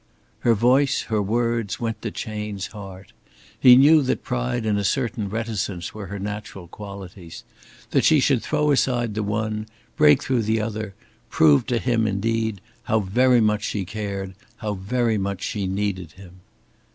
Her voice, her words, went to Chayne's heart. He knew that pride and a certain reticence were her natural qualities. That she should throw aside the one, break through the other, proved to him indeed how very much she cared, how very much she needed him.